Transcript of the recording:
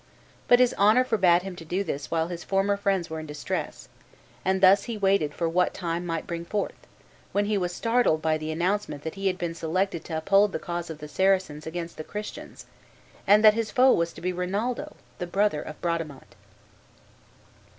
But his honor forbade him to do this while his former friends were in distress; and thus he waited for what time might bring forth, when he was startled by the announcement that he had been selected to uphold the cause of the Saracens against the Christians, and that his foe was to be Rinaldo, the brother of Bradamante.